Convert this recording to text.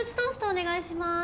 お願いします